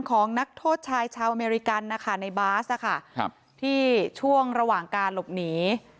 ของนักโทษชายชาวอเมริกันนะคะในบาสที่ช่วงระหว่างการหลบหนี